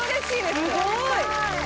すごい。